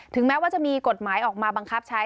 แม้ว่าจะมีกฎหมายออกมาบังคับใช้